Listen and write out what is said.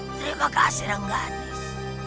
terima kasih rengganis